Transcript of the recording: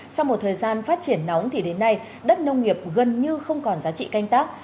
sau một thời gian phát triển nóng thì đến nay đất nông nghiệp gần như không còn giá trị canh tác